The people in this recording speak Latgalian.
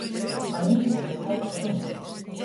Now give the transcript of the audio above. Maņ īkūde troks suņs.